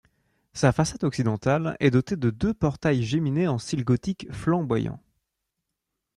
Sa façade occidentale est dotée de deux portails géminés en style gothique flamboyant.